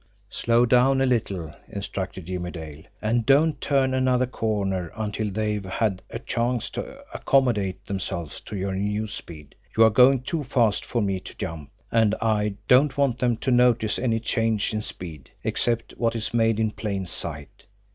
"Slow down a little," instructed Jimmie Dale; "and don't turn another corner until they've had a chance to accommodate themselves to your new speed. You are going too fast for me to jump, and I don't want them to notice any change in speed, except what is made in plain sight.